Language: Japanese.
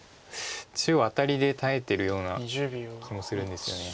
中央アタリで耐えてるような気もするんですよね。